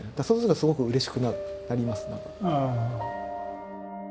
そうするとすごくうれしくなりますね。